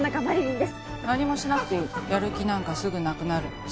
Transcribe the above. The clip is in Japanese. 何もしなくていいやる気なんかすぐなくなる。